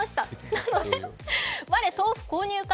なので我豆腐購入可！